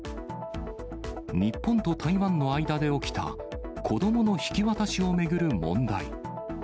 日本と台湾の間で起きた子どもの引き渡しを巡る問題。